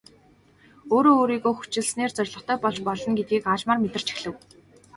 Өөрөө өөрийгөө хүчилснээр зорилготой болж болно гэдгийг аажмаар мэдэрч эхлэв.